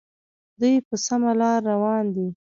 دوی په سمه لار روان دي.